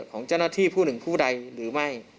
ของเจ้าหน้าที่ผู้หนึ่งผู้ใดหรือไม่